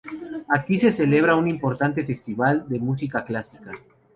Aquí se celebra un importante festival de música clásica.